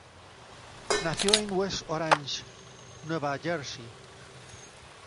Nació en West Orange, Nueva Jersey.